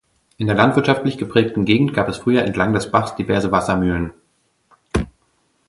In der landwirtschaftlich geprägten Gegend gab es früher entlang des Bachs diverse Wassermühlen.